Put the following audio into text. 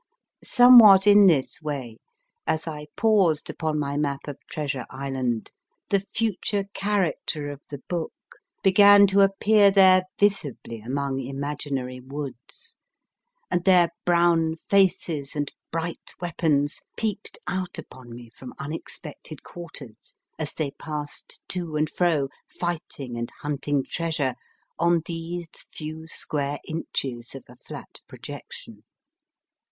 Somewhat in this way, as I paused upon my map of 4 Treasure Island, the future character of the book began to MR. STEVENSON S HOUSE IN SAMOA appear there visibly among imaginary woods ; and their brown faces and bright weapons peeped out upon me from unexpected quarters, as they passed to and fro, fighting and hunting treasure, on these few square inches of a flat projection.